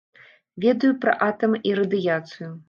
Ведаю пра атамы і радыяцыю.